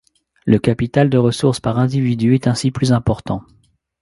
Le capital de ressources par individu est ainsi plus important.